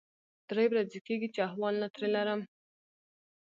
درې ورځې کېږي چې احوال نه ترې لرم.